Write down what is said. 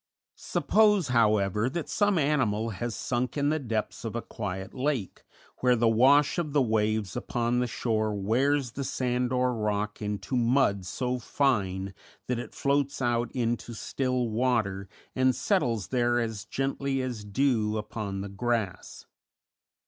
Suppose, however, that some animal has sunk in the depths of a quiet lake, where the wash of the waves upon the shore wears the sand or rock into mud so fine that it floats out into still water and settles there as gently as dew upon the grass.